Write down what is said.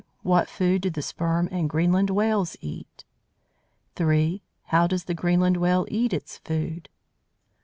What food do the Sperm and Greenland Whales eat? 3. How does the Greenland Whale eat its food?